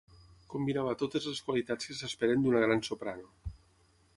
Combinava totes les qualitats que s'esperen d'una gran soprano.